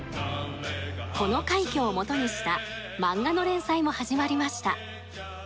この快挙をもとにした漫画の連載も始まりました。